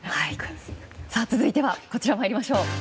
続いては、こちら参りましょう。